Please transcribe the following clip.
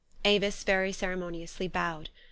" Avis very ceremoniously bowed.